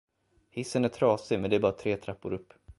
Hissen är trasig men det är bara tre trappor upp.